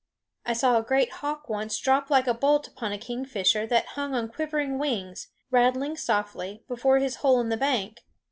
I saw a great hawk once drop like a bolt upon a kingfisher that hung on quivering wings, rattling softly, before his hole in the bank.